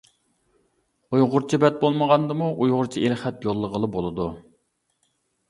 ئۇيغۇرچە بەت بولمىغاندىمۇ ئۇيغۇرچە ئېلخەت يوللىغىلى بولىدۇ.